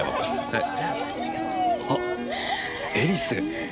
はい。